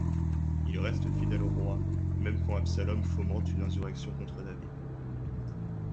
Il reste fidèle au roi même quand Absalom fomente une insurrection contre David.